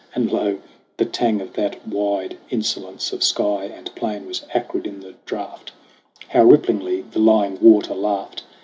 And lo, the tang of that wide insolence Of sky and plain was acrid in the draught 1 How ripplingly the lying water laughed